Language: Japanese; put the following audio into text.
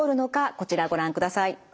こちらご覧ください。